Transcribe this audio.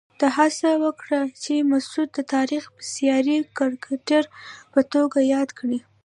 ده هڅه وکړه چې مسعود د تاریخ بېساري کرکټر په توګه یاد کړي.